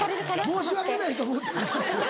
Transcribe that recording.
申し訳ないと思ったんですよ。